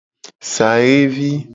Saxe vi.